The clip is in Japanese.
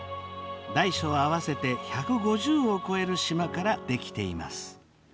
大小合わせて１５０を超える島から出来ています。